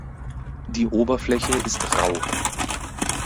Die Oberfläche ist rau.